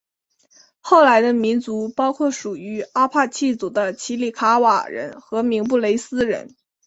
后来的民族包括属于阿帕契族的奇里卡瓦人和明布雷斯人。